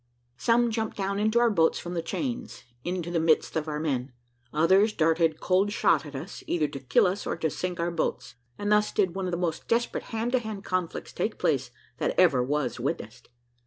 Some jumped down into our boats from the chains, into the midst of our men; others darted cold shot at us, either to kill us or to sink our boats; and thus did one of the most desperate hand to hand conflicts take place that ever was witnessed.